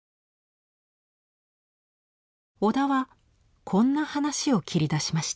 小田はこんな話を切り出しました。